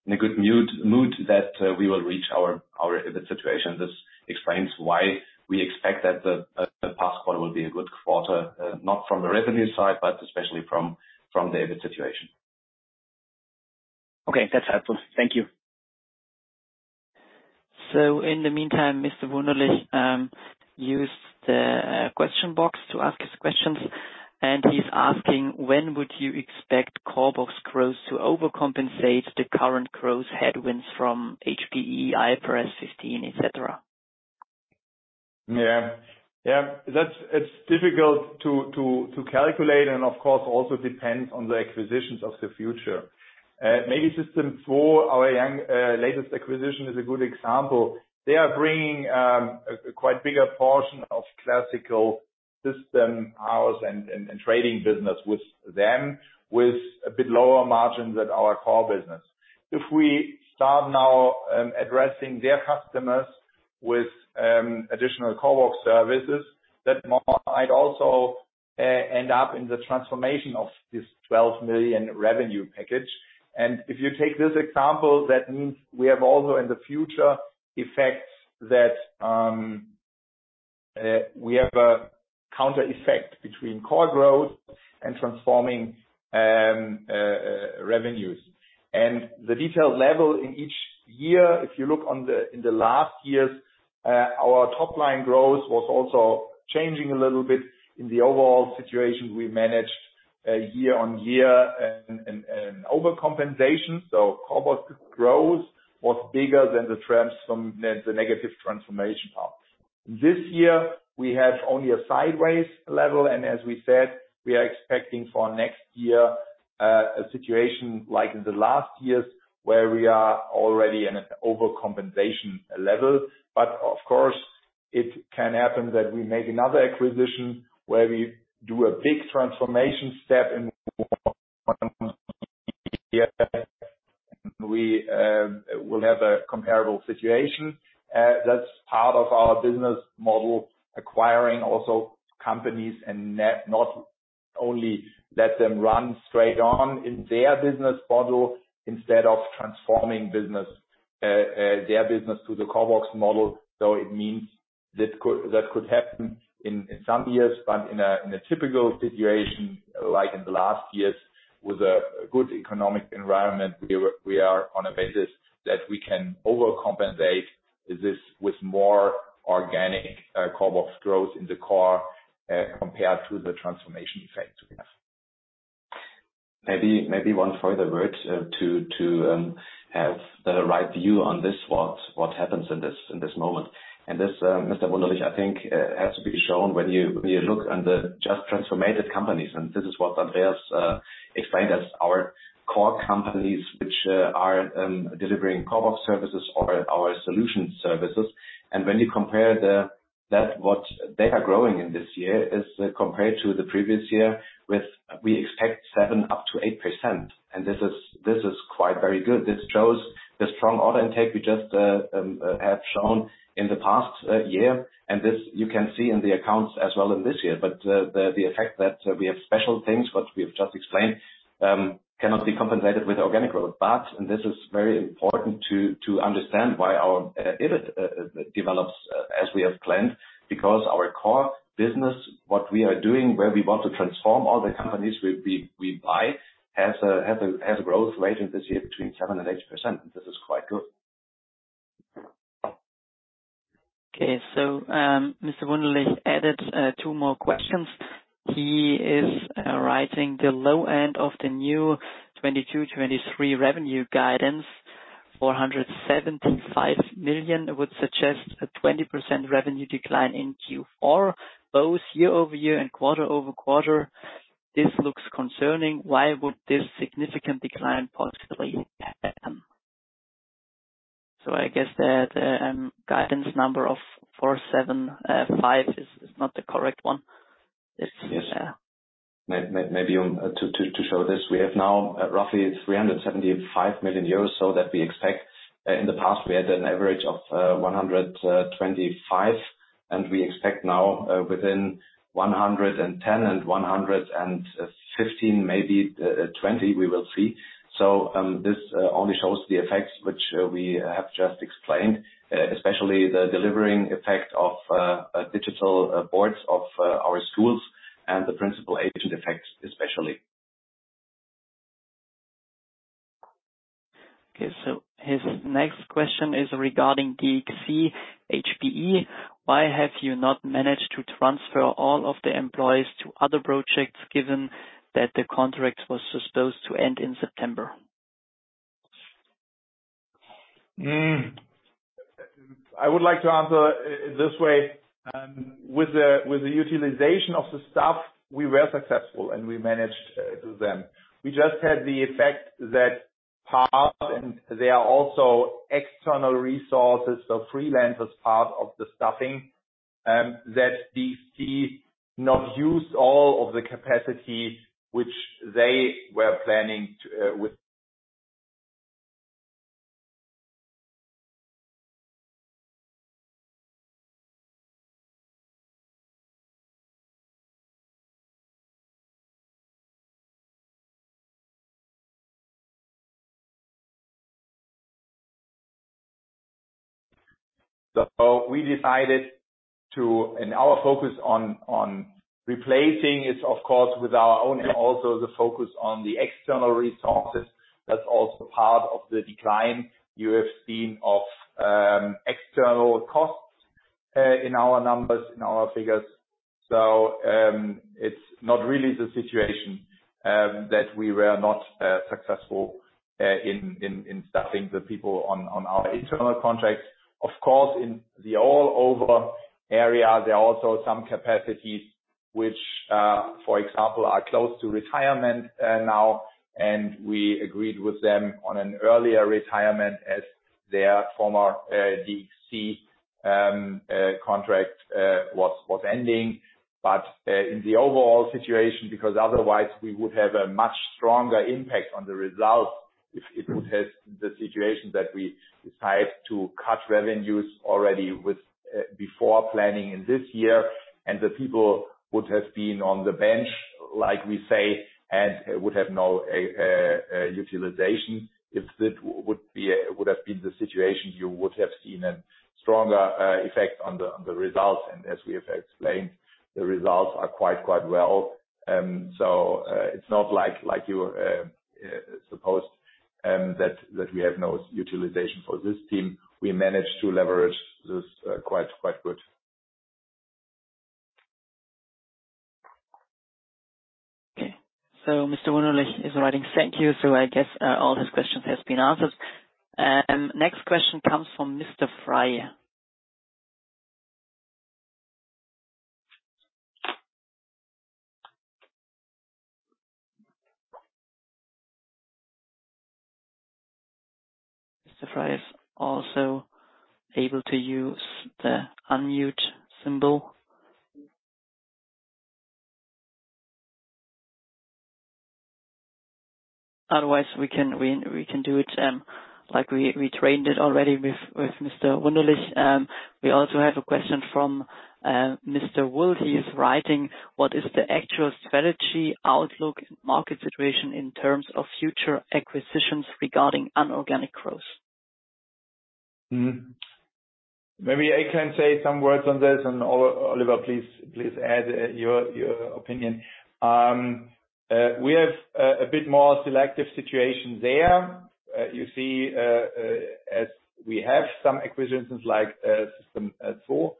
in a good mood that we will reach our EBIT situation. This explains why we expect that the past quarter will be a good quarter not from the revenue side, but especially from the EBIT situation. Okay, that's helpful. Thank you.... So in the meantime, Mr. Wunderlich used the question box to ask his questions, and he's asking: When would you expect CORBOX growth to overcompensate the current growth headwinds from HPE, IFRS 15, etc.? Yeah. Yeah, that's difficult to calculate, and of course, also depends on the acquisitions of the future. Maybe System Zwo, our young, latest acquisition, is a good example. They are bringing a quite bigger portion of classical system house and trading business with them, with a bit lower margins than our core business. If we start now, addressing their customers with additional CORBOX services, that might also end up in the transformation of this 12 million revenue package. And if you take this example, that means we have also in the future effects that we have a counter effect between core growth and transforming revenues. The detailed level in each year, if you look in the last years, our top line growth was also changing a little bit in the overall situation. We managed a year-on-year and overcompensation, so CORBOX growth was bigger than the negative transformation part. This year, we have only a sideways level, and as we said, we are expecting for next year a situation like in the last years, where we are already in an overcompensation level. But of course, it can happen that we make another acquisition where we do a big transformation step and will have a comparable situation. That's part of our business model, acquiring also companies and not only let them run straight on in their business model instead of transforming their business to the CORBOX model. So it means that could happen in some years, but in a typical situation, like in the last years, with a good economic environment, we are on a basis that we can overcompensate this with more organic CORBOX growth in the core compared to the transformation effect. Maybe, maybe one further word to have the right view on this, what happens in this moment. And this, Mr. Wunderlich, I think, has to be shown when you look on the just transformed companies, and this is what Andreas explained as our core companies, which are delivering CORBOX services or our solution services. And when you compare the that what they are growing in this year is compared to the previous year, with we expect 7%-8%. And this is, this is quite very good. This shows the strong order intake we just have shown in the past year, and this you can see in the accounts as well in this year. But, the effect that we have special things, which we have just explained, cannot be compensated with organic growth. But, and this is very important to understand why our EBIT develops as we have planned, because our core business, what we are doing, where we want to transform all the companies we buy, has a growth rate in this year between 7% and 8%. This is quite good. Okay, so, Mr. Wunderlich added two more questions. He is writing: The low end of the new 2022-2023 revenue guidance, 475 million, would suggest a 20% revenue decline in Q4, both year-over-year and quarter-over-quarter. This looks concerning. Why would this significant decline possibly happen? So I guess that guidance number of 475 is not the correct one. It's- Yes. Maybe to show this, we have now roughly 375 million euros, so that we expect. In the past, we had an average of 125, and we expect now within 110-115, maybe 20, we will see. So, this only shows the effects which we have just explained, especially the delivering effect of digital boards of our schools and the principal agent effects, especially. Okay, so his next question is regarding DXC, HPE. Why have you not managed to transfer all of the employees to other projects, given that the contract was supposed to end in September? I would like to answer it this way. With the utilization of the staff, we were successful, and we managed to them. We just had the effect that part, and there are also external resources, so freelancers, part of the staffing, that DXC not use all of the capacity which they were planning to, with. So we decided to, and our focus on replacing is, of course, with our own, also the focus on the external resources. That's also part of the decline you have seen of external costs in our numbers, in our figures. So, it's not really the situation that we were not successful in staffing the people on our internal contracts. Of course, in the overall area, there are also some capacities which, for example, are close to retirement, now, and we agreed with them on an earlier retirement as their former DC contract was ending. But in the overall situation, because otherwise we would have a much stronger impact on the results if it would have the situation that we decide to cut revenues already with, before planning in this year, and the people would have been on the bench, like we say, and would have no utilization. If that would have been the situation, you would have seen a stronger effect on the results. And as we have explained, the results are quite well. So, it's not like you supposed that we have no utilization for this team. We managed to leverage this quite good. Okay. So Mr. Wunderlich is writing, thank you. So I guess all his questions has been answered. And next question comes from Mr. Fryer. Mr. Fryer, also able to use the unmute symbol? Otherwise, we can do it like we trained it already with Mr. Wunderlich. We also have a question from Mr. Wolf. He is writing: What is the actual strategy outlook market situation in terms of future acquisitions regarding inorganic growth? Mm-hmm. Maybe I can say some words on this, and Oliver, please, please add your opinion. We have a bit more selective situation there. You see, as we have some acquisitions like System Zwo,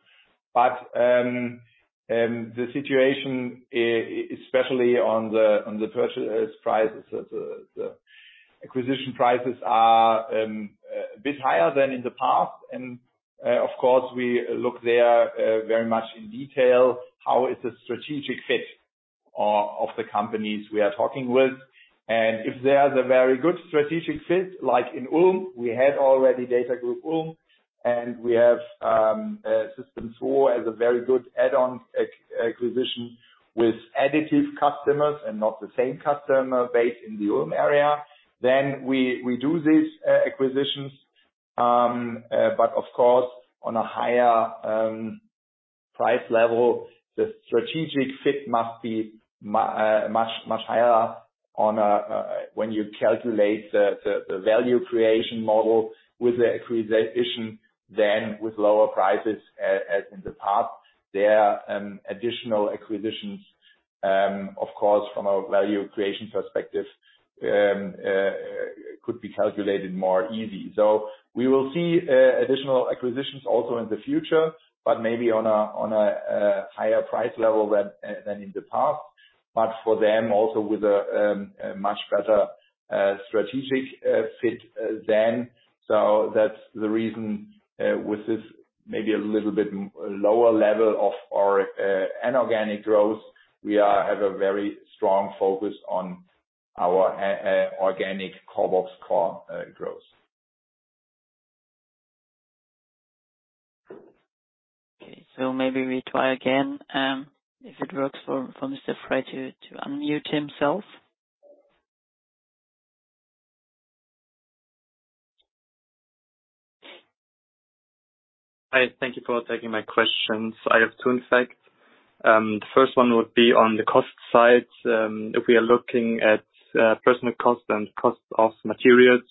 but the situation, especially on the purchase prices, the acquisition prices are a bit higher than in the past. And of course, we look there very much in detail, how is the strategic fit of the companies we are talking with? And if there's a very good strategic fit, like in Ulm, we had already DATAGROUP Ulm, and we have System Zwo as a very good add-on acquisition with additive customers and not the same customer base in the Ulm area, then we do these acquisitions. But of course, on a higher price level, the strategic fit must be much, much higher when you calculate the value creation model with the acquisition, than with lower prices, as in the past. There are additional acquisitions, of course, from a value creation perspective, could be calculated more easy. So we will see additional acquisitions also in the future, but maybe on a higher price level than in the past, but for them, also with a much better strategic fit than. So that's the reason with this maybe a little bit lower level of our inorganic growth. We have a very strong focus on our organic CORBOX core growth. Okay, so maybe we try again, if it works for Mr. Fry to unmute himself. Hi, thank you for taking my questions. I have two, in fact. The first one would be on the cost side. If we are looking at personal cost and cost of materials,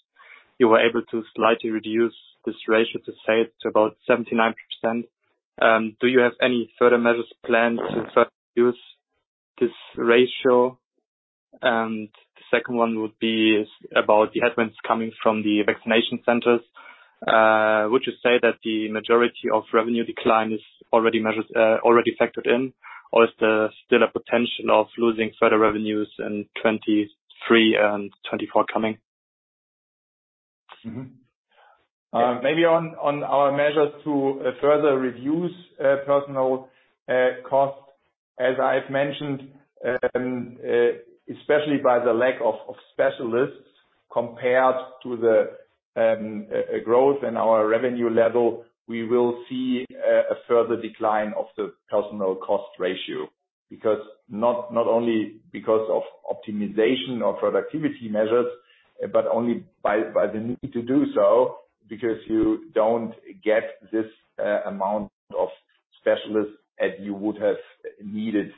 you were able to slightly reduce this ratio to save to about 79%. Do you have any further measures planned to further reduce this ratio? The second one would be is about the headwinds coming from the vaccination centers. Would you say that the majority of revenue decline is already measures already factored in, or is there still a potential of losing further revenues in 2023 and 2024 coming? Mm-hmm. Maybe on our measures to further reduce personnel costs, as I've mentioned, especially by the lack of specialists, compared to the growth in our revenue level, we will see a further decline of the personnel cost ratio. Because not only because of optimization or productivity measures, but only by the need to do so, because you don't get this amount of specialists as you would have needed....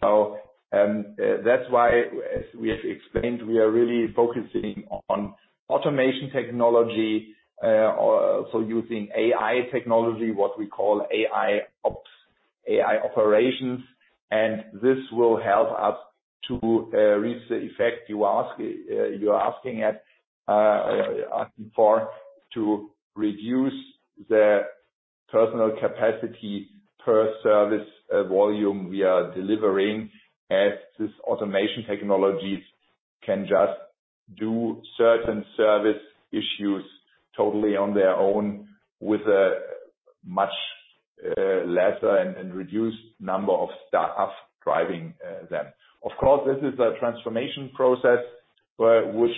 So, that's why, as we have explained, we are really focusing on automation technology, or so using AI technology, what we call AIOps, AI operations, and this will help us to reach the effect you ask, you are asking at, asking for, to reduce the personal capacity per service volume we are delivering, as this automation technologies can just do certain service issues totally on their own, with a much lesser and reduced number of staff driving them. Of course, this is a transformation process, but which,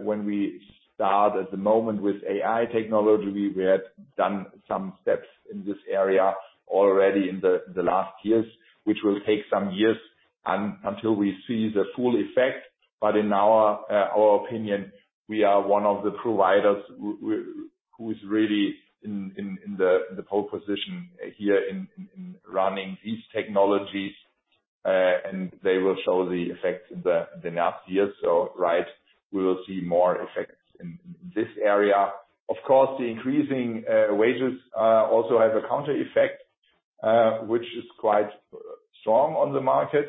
when we start at the moment with AI technology, we had done some steps in this area already in the last years, which will take some years until we see the full effect. In our opinion, we are one of the providers who is really in the pole position here in running these technologies, and they will show the effects in the next years. So right, we will see more effects in this area. Of course, the increasing wages also have a counter effect, which is quite strong on the market.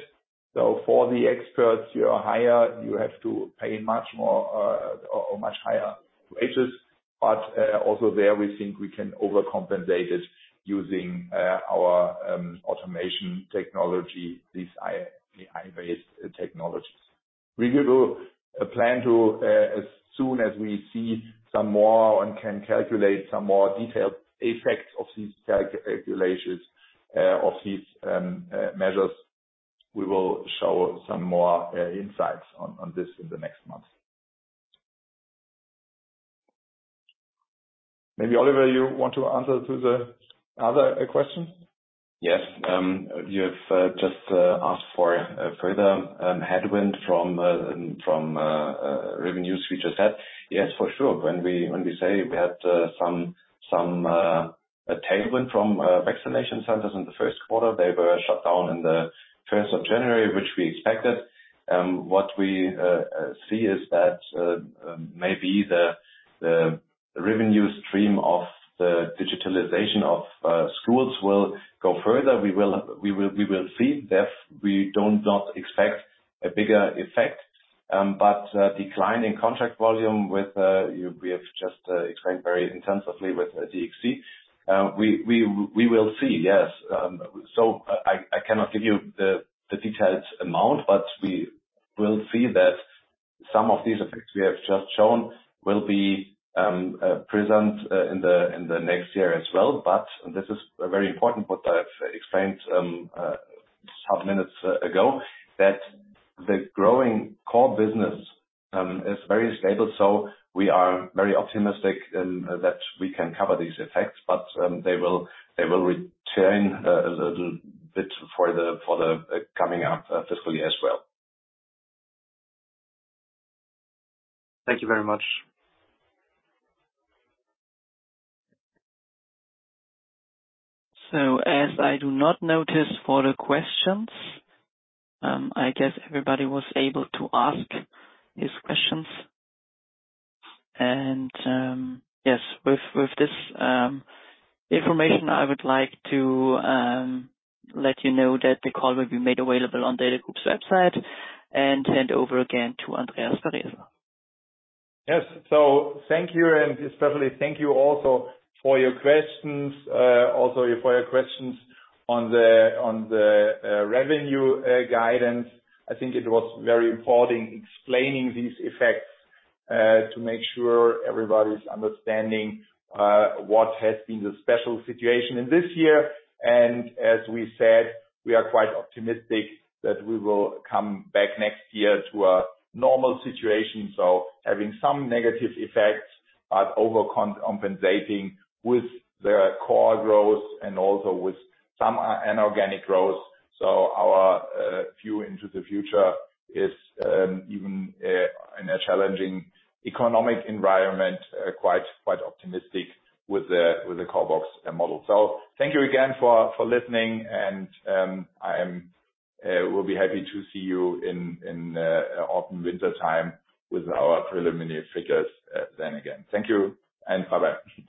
So for the experts you hire, you have to pay much more or much higher wages. But also there, we think we can overcompensate it using our automation technology, these AI, the AI-based technologies. We will plan to, as soon as we see some more and can calculate some more detailed effects of these calculations of these measures, we will show some more insights on this in the next months. Maybe, Oliver, you want to answer to the other question? Yes. You have just asked for a further headwind from revenues, which I said. Yes, for sure. When we say we had some tailwind from vaccination centers in the Q1, they were shut down in the first of January, which we expected. What we see is that maybe the revenue stream of the digitalization of schools will go further. We will see that we don't not expect a bigger effect, but decline in contract volume with we have just explained very intensively with DXC. We will see, yes. So I cannot give you the detailed amount, but we will see that some of these effects we have just shown will be present in the next year as well. But this is a very important what I've explained some minutes ago, that the growing core business is very stable. So we are very optimistic that we can cover these effects, but they will return a little bit for the coming up fiscal year as well. Thank you very much. As I do not notice further questions, I guess everybody was able to ask these questions. Yes, with this information, I would like to let you know that the call will be made available on DATAGROUP's website, and hand over again to Andreas Baresel. Yes. So thank you, and especially thank you also for your questions, also for your questions on the, on the, revenue guidance. I think it was very important explaining these effects, to make sure everybody's understanding what has been the special situation in this year. And as we said, we are quite optimistic that we will come back next year to a normal situation. So having some negative effects, but overcompensating with the core growth and also with some inorganic growth. So our view into the future is, even in a challenging economic environment, quite, quite optimistic with the, with the CORBOX model. So thank you again for, for listening, and, I am, will be happy to see you in, in, autumn, wintertime with our preliminary figures, then again. Thank you and bye-bye.